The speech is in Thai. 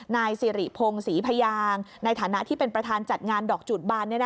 นายสิริพงศรีพยางในฐานะที่เป็นประธานจัดงานดอกจูดบาน